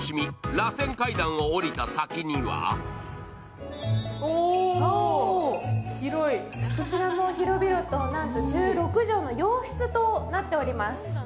らせん階段を降りた先にはこちらも広々と、なんと１６畳の洋室となっています。